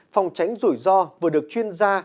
phòng tránh rủi ro vừa được chuyên gia